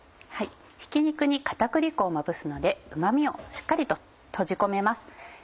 ひき肉に片栗粉をまぶすのでうま味をしっかりと閉じ込めます。